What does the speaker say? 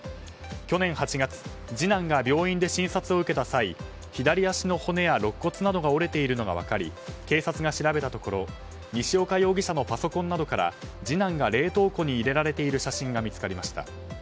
去年８月、次男が病院で診察を受けた際左足の骨やろっ骨などが折れているのが分かり警察が調べたところ西岡容疑者のパソコンなどから次男が冷凍庫に入れられている写真が見つかりました。